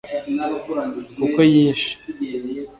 kuko yishe